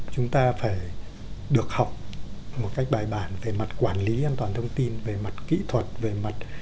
chúng ta phải được học một cách bài bản về mặt quản lý an toàn thông tin về mặt kỹ thuật về mặt